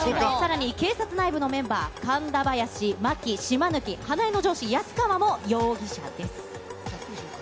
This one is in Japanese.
さらに警察内部のメンバー、神田林、真木、島貫、花恵の上司、安川も容疑者です。